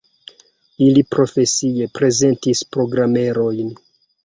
Ili profesie prezentis programerojn.